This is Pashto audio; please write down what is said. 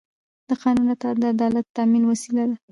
د قانون اطاعت د عدالت د تامین وسیله ده